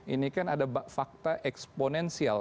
ini kan ada fakta eksponensial